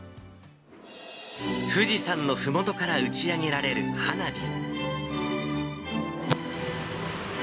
富士山のふもとから打ち上げられる花火。